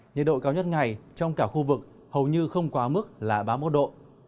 nhiệt độ cao nhất ngày trong cả khu vực hầu như không quá mức là ba mươi một độ